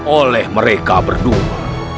oleh mereka berdua